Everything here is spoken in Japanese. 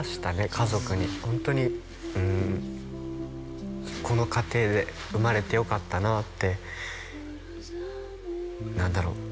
家族にホントにこの家庭で生まれてよかったなって何だろう？